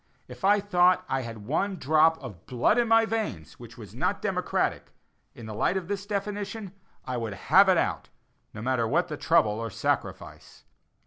If I thought I had one drop of blood in my veins which was not democratic, in the light of this definition, I would have it out, no matter at what trouble or sacrifice.